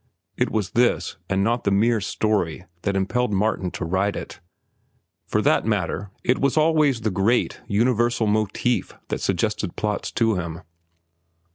It was this, and not the mere story, that impelled Martin to write it. For that matter, it was always the great, universal motif that suggested plots to him.